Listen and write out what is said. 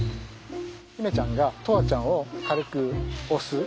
媛ちゃんが砥愛ちゃんを軽く押す。